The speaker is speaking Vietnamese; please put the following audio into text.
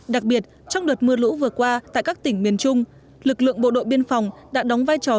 đặc biệt trong đợt mưa lũ vừa qua tại các tỉnh miền trung lực lượng bộ đội biên phòng đã đóng vai trò